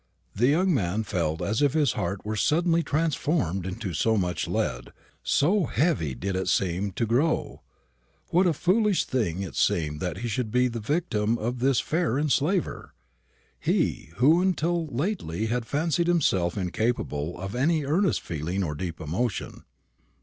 The young man felt as if his heart were suddenly transformed into so much lead, so heavy did it seem to grow. What a foolish thing it seemed that he should be the victim of this fair enslaver! he who until lately had fancied himself incapable of any earnest feeling or deep emotion.